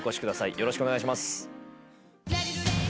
よろしくお願いします。